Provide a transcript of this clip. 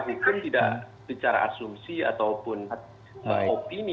hukum tidak secara asumsi ataupun opini